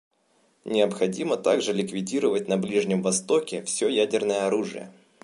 Необходимо также ликвидировать на Ближнем Востоке все ядерное оружие.